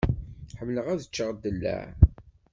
Ḥemmleɣ ad ččeɣ ddellaε.